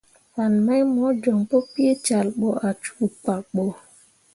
Fan mai mo joŋ pu peecal ɓo ah cuu pkak ɓo.